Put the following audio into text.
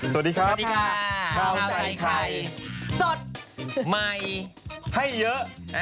สวัสดีครับข้าวใส่ไข่สดใหม่ให้เยอะ